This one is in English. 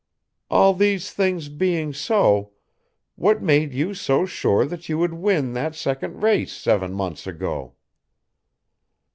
All these things being so, what made you so sure that you would win that second race seven months ago?"